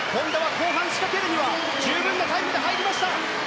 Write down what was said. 後半仕掛けるには十分なタイムで入りました。